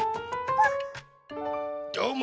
どうも！